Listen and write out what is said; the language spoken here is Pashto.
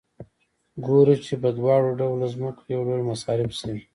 ګورو چې په دواړه ډوله ځمکو یو ډول مصارف شوي